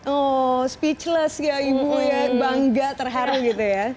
oh speechless ya ibu ya bangga terharu gitu ya